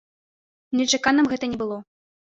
Нечаканым гэта не было.